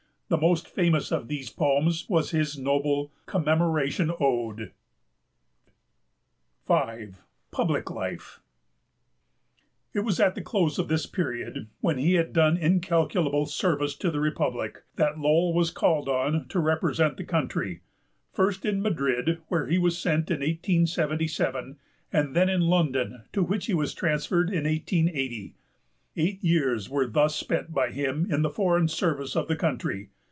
The most famous of these poems was his noble Commemoration Ode. V. PUBLIC LIFE. It was at the close of this period, when he had done incalculable service to the Republic, that Lowell was called on to represent the country, first in Madrid, where he was sent in 1877, and then in London, to which he was transferred in 1880. Eight years were thus spent by him in the foreign service of the country.